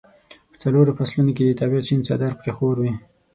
په څلورو فصلونو کې د طبیعت شین څادر پرې خور وي.